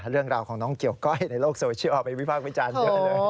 เรื่องราวของน้องเกี่ยวก้อยในโลกโซเชียลเอาไปวิพากษ์วิจารณ์เยอะเลย